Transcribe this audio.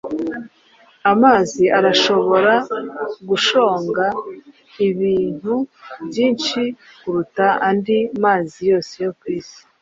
amazi arashobora gushonga ibintu byinshi kuruta andi mazi yose yo kwisi.